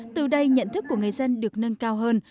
từ đây nhận thức của người dân được nâng cao hơn